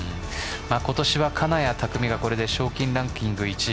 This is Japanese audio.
今年は金谷拓実がこれで賞金ランキング１位。